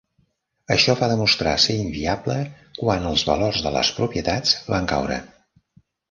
Això va demostrar ser inviable quan els valors de les propietats van caure.